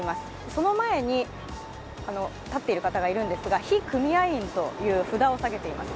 その前に立っている方がいるんですが非組合員という札をさげています。